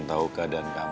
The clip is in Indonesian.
papi tahu kadaan kamu